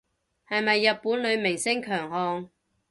係咪日本女明星強項